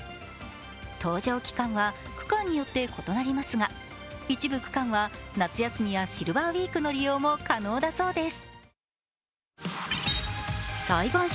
搭乗期間は区間によって異なりますが一部区間は夏休みやシルバーウイークの利用も可能だそうです。